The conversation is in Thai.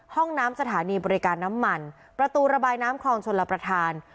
ห้องน้ำสถานีบริการน้ำมันประตูระบายน้ำคลองชลประธาน